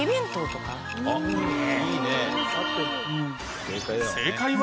あっいいね。